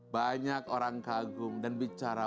banyak orang kagum dan bicara